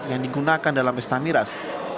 yang digunakan dalam pesta miras